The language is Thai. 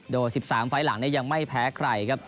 โดย๑๓ไฟล์หลังนี้ยังไม่แพ้ใครครับ